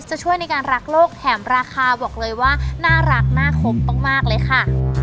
ช่วยในการรักโลกแถมราคาบอกเลยว่าน่ารักน่าคมมากเลยค่ะ